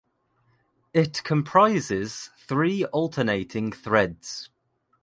It comprises three alternating threads.